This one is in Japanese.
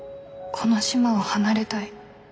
この島を離れたい。